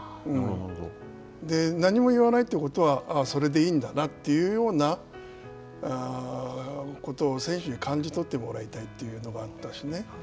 何も言わないってことはそれでいいんだなというようなことを選手に感じ取ってもらいたいというのがあったしね。